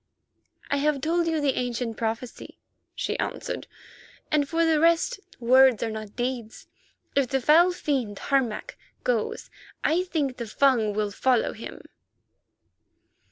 "I have told you the ancient prophecy," she answered, "and for the rest words are not deeds. If the foul fiend, Harmac, goes I think that the Fung will follow him.